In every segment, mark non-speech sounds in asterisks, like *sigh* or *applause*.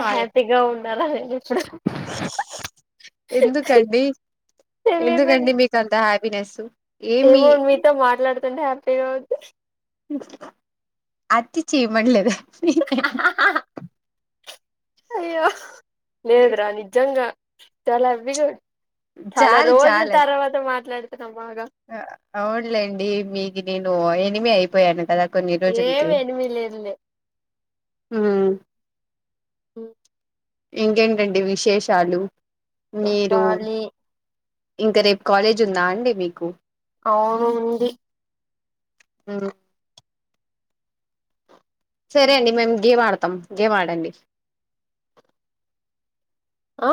hi హ్యాపీగా ఉండాలళ ఇప్పుడ ఎందుకండి తెలియదని ఎందుకండి మీకు అంత హ్యాపీనెస్ ఏమి తంట హపీగా ఉంది అతి చెయమడిలేద అయ్యో లేద్రా నిజంగా చాలా బిగా చాలా చాలు రోజుల చాలు అది తర్వాత మాట్లాడు అవునులేండి మీకు నేను ఎనిమి అయిపోయాను కదా కొన్నిరోజులు కి ఏమి ఎనిమి లేదులే మ్మ్ ఇంకేంటండి విశేషాలు మీరు చెప్పాలి ఇంకా రేపు కాలేజ్ ఉందా అండి మీకు అవును ఉంది ఎవరు సరే అండి మేము గేమ్ ఆడతాం గేమ్ ఆడండి ఆ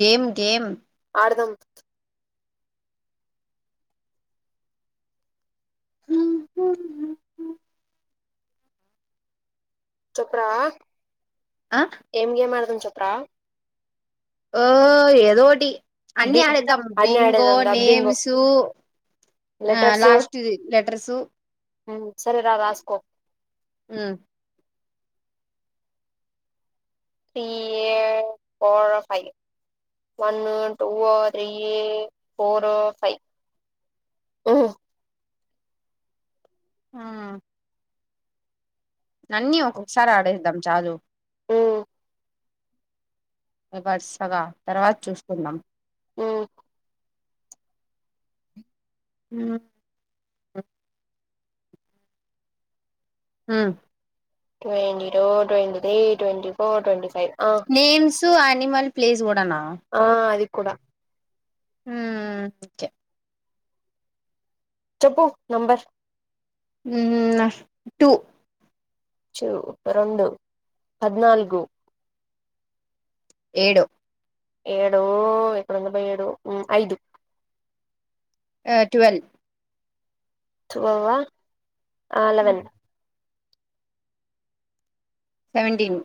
గేమ్ గేమ్ ఆడదాం చొప్రా ఆ ఏం గేమ్ ఆడదాం చోప్రా ఓ ఏదోటి అన్ని ఆడేద్దాము అన్ని బింగో ఆడేదందా బింగో నేమ్సు ఆ లాస్ట్ ది లెటర్స్ ఆ సరే రా రాస్కో P A four five one two three four five మ్మ్ ఆ అన్నీ ఒక్కొక్కసారి ఆడేద్దాం చాలు వరసగా తర్వాత చూసుకుందాం మ్మ్ ఉనా అవును twenty two twenty three twenty four twenty five ఆ నేమ్స్ అనిమల్ ప్లేస్ కూడానా ఆ అది కూడా మ్మ్ ఓకే చెప్పు నెంబర్స్ ఉమ్నా టూ టూ రెండు పద్నాల్గు ఏడు ఏడు ఇక్కడ ఉందబ్బా ఏడు మ్మ్ ఐదు ఆ ట్వల్వ్ టువ్వ అళ్ళాదాని సెవెంటీన్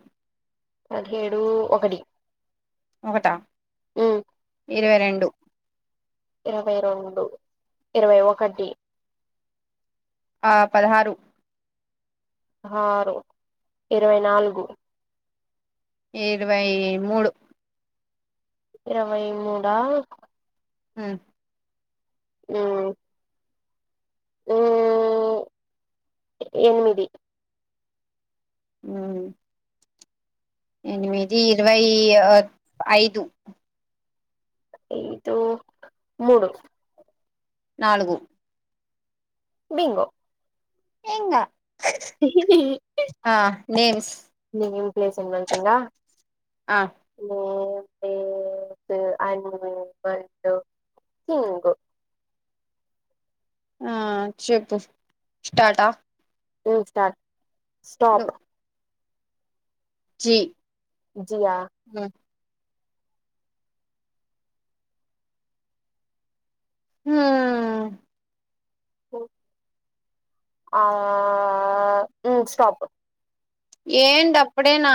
పదిహేడు ఒకటి ఒకటా ఇరవై రెండు ఇరవై రెండు ఇరవై ఒకటి ఆ పదహారు ఆరు ఇరవై నాలుగు ఇరవై మూడు ఇరవై మూడా హ్మ్ మూడు మ్మ్ ఎనిమిది అ ఎనిమిది ఇరవై ఐదు ఐదు మూడు నాలుగు బింగో ఏంగా నేమ్స్ నీ ఇం ప్లే సింబల్ కింద నో పండు సింకు ఆ చెప్పు స్టాటా స్టాట్ స్టాప్ జీ జియా హ ఆ స్టాపు ఏంటి అప్పుడేనా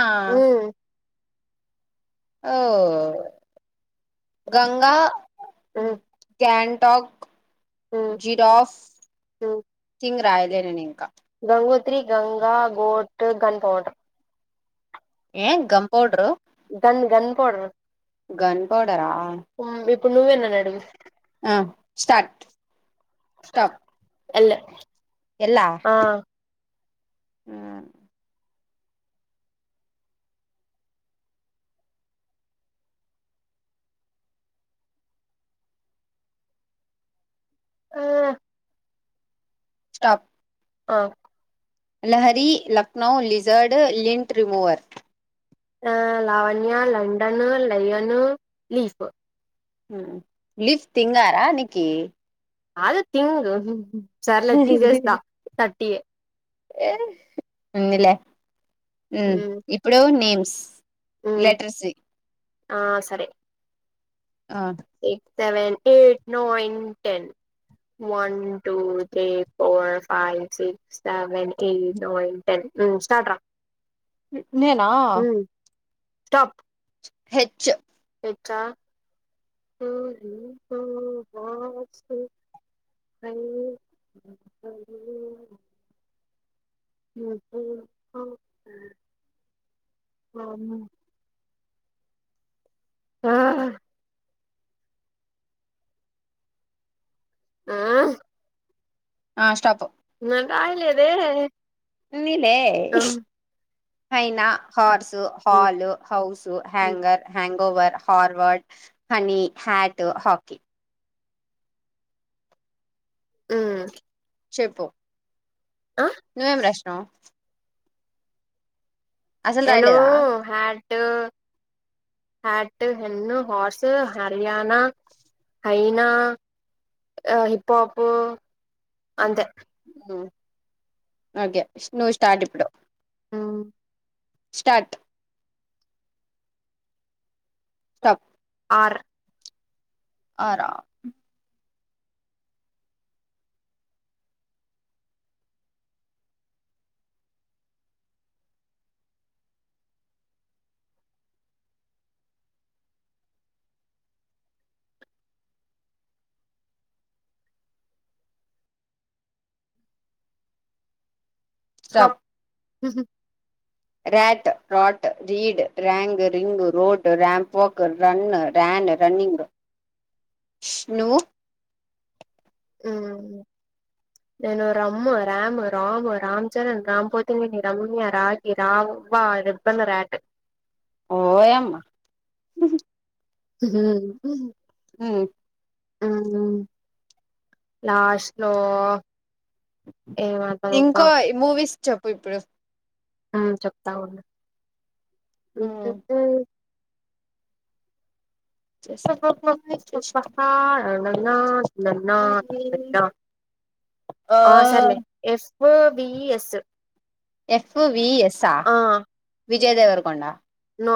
ఓ గంగా ఉమ్ గ్యాన్టాక్ ఉమ్ జిరాఫ్ ఉమ్ థింగ్ రాయలే నేను ఇంకా Gangotri Ganga goat gun powder ఏ gum powder gun gun powder gun పౌడరా నువ్వే నన్ను నడుగు స్టాట్ స్టాప్ ఆ ఆ ఆ ఆ Lahari Lucknow lizard lint remover ఆ లావణ్య లండన్ లయను లీఫ్ లిఫ్ట్ తింగారా అనీకి అద తింగ్ సర్లే తీసేస్తా థర్టీ ఏ ఉన్ని లే ఇప్పుడు నేమ్స్ లెటర్సీ ఆ సరే ఆ six seven eight nine ten one two three four five six seven eight nine ten ఉ స్టాట్ రా నేనా స్టప్ హెచ్చు ట్ర లవర్స్ కు ఫైన్ నువ్వు ఎపుడు చెప్పావ్ బాగున్న ఆ ఆ ఆ స్టాపు నాకు రాయలేదే ఇలే మ్మ్ పైన హార్సు హల్ హౌస్ హ్యాంగర్ హ గోవర్ హార్వడ్ హనీ హ్యాట్ హాకీ ఆ చెప్పు నువ్వేం రాసినవ్ నేను రాయలేదా హ్యాట్ హ్యాట్ హన్ను హార్సు హర్యానా హైనా ఆ హిప్పోప్ ఓకే నువ్వు స్టార్ట్ ఇప్పుడు స్టార్ట్ స్టాప్ ఆరు ఆరా స్ స్టాప్ ఉహు రాట్ రాడ్ రీడ్ రయాంగ్ రింగ్ రోడ్ రయాంప్ వక్ రన్ రయాన్ రన్నింగ్ స్ను మ్మ్ నేను రమ్ రాము రాము రామ్ చరణ్ రామ్ పోతినేని రమ్య రాగి రావవా రెబ్బెన రాట్ ఓయమ్మ ఆ ఆ ఆ లాస్ట్ లో ఏమంటదబ్బా ఇంకో మూవీస్ చెప్పు ఇప్పుడు ఆ చెప్తా ఉండి జస్ట్ జస్ట్ న న ఓ ఆ సరలే ఎఫ్ బిఎస్ ఎఫ్ విఎస్ఆ విజయదేవర కొండా నో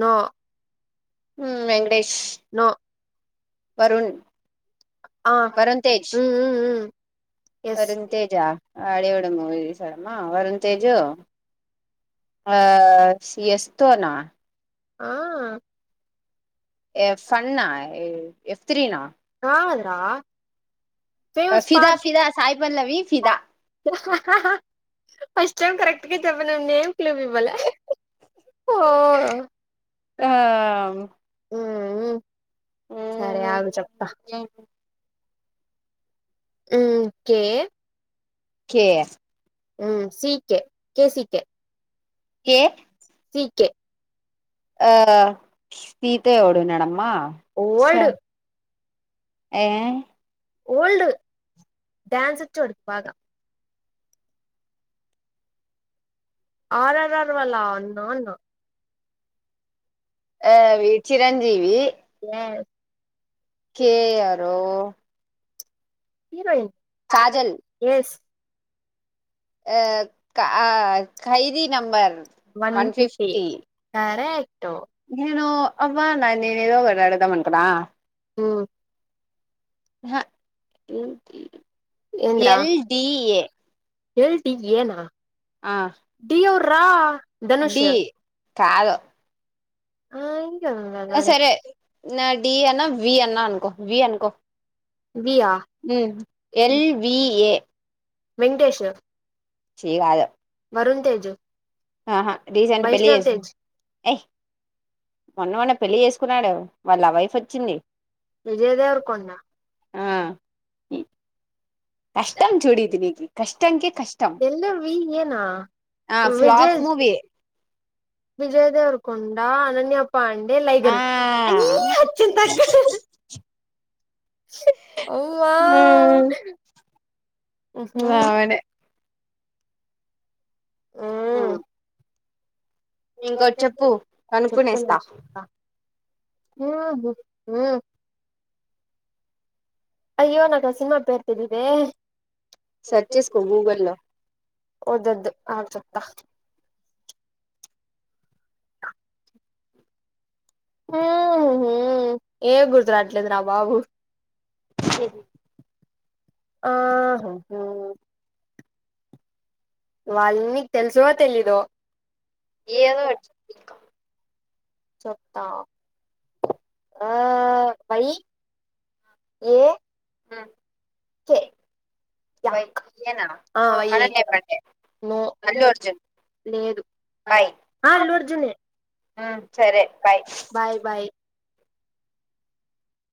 నో ఉమ్ వెంకటేష్ నో వరుణ్ ఆ వరుణ్ తేజ్ ఉమ్ ఉమ్ ఉమ్ ఎస్ వాడెవడో మూవీ తీశాడు ఆ వరుణ్ తేజు ఆ ఎస్ తోనా ఆ ఆ ఎఫ్ ఫన్నా ఎఫ్ త్రీ నా కాదు రా ఫిదా ఫిదా సాయి పల్లవి ఫిదా ఫస్ట్ టైమ్ అప్పటికి చెప్పనంది క్లూ ఇవ్వాల ఫో ఆ ఉమ్ సరే ఆగు చెప్తా కే కేే ఉ సీకె కేసికె కె కె ఆ సీతో ఏవుడున్నడమ్మ ఓల్డ్ ఏ ఓల్డు డాన్స్ వచ్చు వాడికి భాగ ఆరర్ వాళ్ళ నాన్న ఆవి చిరంజీవి ఎస్ కేయారు హీరోయిన్ చాజల్ ఎస్ ఆ Khaidi number one fifty correct నేను అవ్వల నేను ఏదో ఒకటీ అడుగుతానను కదా ఉ ఏందిరా ఎల్డిఏ ఎల్ డి ఎన ఆ *unintelligible* ధనుష్ డి కాదు ఆ ఇంకెవరు ఉన్నారు సరే డి అన్న వి అన్నా అనుకో వి అనుకో V yeah L V A Venkatesh చీ కాదు వరుణ్ తేజు ఆహా రీసెంట్ పెళ్లి *unintelligible* మొన్న మొన్న పెళ్లి చేసుకున్నాడు వాళ్ళ ఆ వైఫ్ వచ్చింది విజయ్ దేవర కొండ ఆ కష్టాం చూడు ఇది నీకి *unintelligible* ఎల్ వి ఏనా ఆ Vijay flop movie Vijay Deverakonda Ananya పండే ఆ లైగర్ వావ్ వాడే ఉ ఉమ్ ఇంకోటి చెప్పు కనుకునేస్త ఆ అయ్యో నాకి ఆ సినిమా పేరు తెలీదే సెర్చ్ చేసుకో గూగుల్లో ఓదద్దు ఆగు చెప్త ఎం గుర్తు రాట్లేదు ర బాబు స ఆ వద్దు వాళ్ళ నీకు తెలుసువో తెలీదో ఏదో ఒకటి చెప్పు చెప్తా ఆ వనీ ఏ మ్ చె ఎ క్ ఈయేనా ఆ ఏ అనండే పండే నో అల్లు హెల్తి అర్జున్ లేదు బాయ్ అ అల్లు అర్జునే అ సరే బై బాయ్ బాయ్